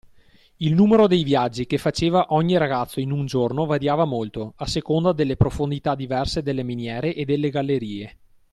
Il numero dei viaggi che faceva ogni ragazzo in un giorno variava molto, a seconda delle profondità diverse delle miniere e delle gallerie .